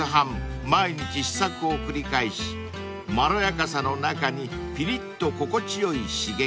毎日試作を繰り返しまろやかさの中にピリッと心地よい刺激